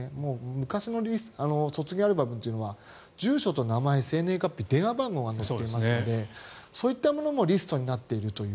昔の卒業アルバムというのは住所と名前、生年月日電話番号が載っているのでそういったものもリストになっているという。